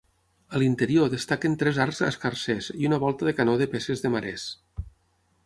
A l'interior destaquen tres arcs escarsers i una volta de canó de peces de marès.